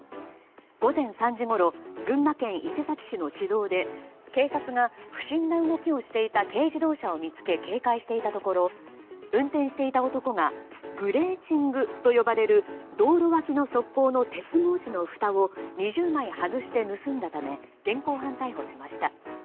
午前３時ごろ群馬県伊勢崎市の市道で警察が不審な動きをしていた軽自動車を見つけ警戒していたところ運転していた男がグレーチングと呼ばれる道路脇の側溝の鉄格子のふたを２０枚外して盗んだため現行犯逮捕しました。